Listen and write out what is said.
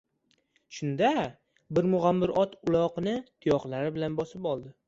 Shunda, bir mug‘ambir ot uloqni tuyoqlari bilan bosib qoldi.